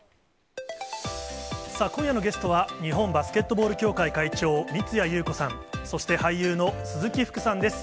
今夜のゲストは、日本バスケットボール協会会長、三屋裕子さん、そして俳優の鈴木福さんです。